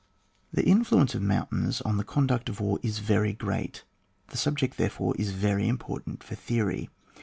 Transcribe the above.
The influence of mountains on the con duct of war is very great; the subject, therefore, is very important for theory.